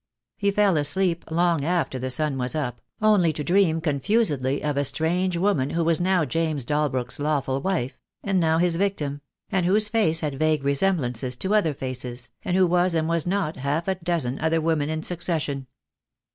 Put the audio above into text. He fell asleep long after the sun was up, only to dream confusedly of a strange woman who was now James Dalbrook's lawful wife — and now his victim — and whose face had vague resemblances to other faces, and who was and was not half a dozen other women in succession.